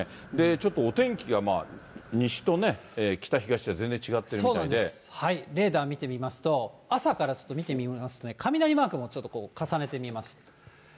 ちょっとお天気がまあ、西とね、レーダー見てみますと、朝からちょっと見てみますと、雷マークもちょっと重ねてみました。